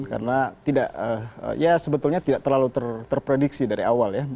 karena ya sebetulnya tidak terlalu terprediksi dari awal ya